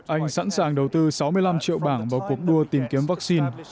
anh sẵn sàng đầu tư sáu mươi năm triệu bảng vào cuộc đua tìm kiếm vaccine